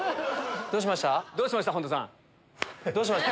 どうしました？